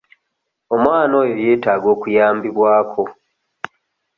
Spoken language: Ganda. Omwana oyo yeetaaga okuyambibwako.